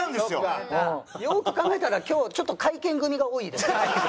よく考えたら今日ちょっと会見組が多いですね。